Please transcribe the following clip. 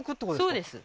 そうです